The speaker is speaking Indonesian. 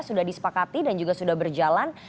sudah disepakati dan juga sudah berjalan